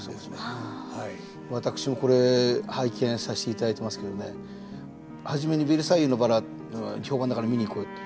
私もこれ拝見させていただいてますけどね初めに「ベルサイユのばら」評判だから見に行こうよって。